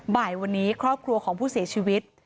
บ่ายวันนี้ครอบครัวของผู้เสียชีวิต